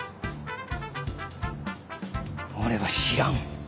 俺は知らん！